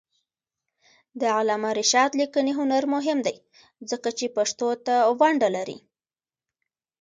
د علامه رشاد لیکنی هنر مهم دی ځکه چې پښتو ته ونډه لري.